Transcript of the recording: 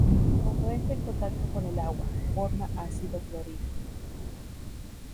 Cuando entra en contacto con el agua, forma ácido clorhídrico.